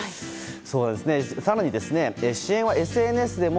更に、支援はＳＮＳでも。